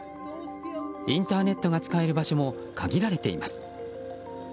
インターネットが使える場所も限られています。